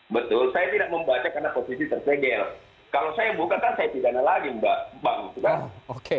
betul saya tidak membaca karena posisi tersegel kalau saya buka saya tidak ada lagi mbak